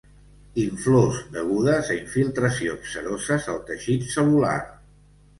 Inflors degudes a infiltracions ceroses al teixit cel·lular.